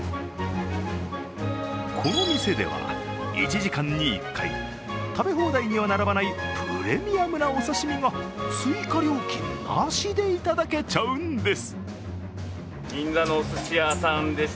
この店では１時間に１回食べ放題には並ばないプレミアムなお刺身が追加料金なしでいただけちゃうんです。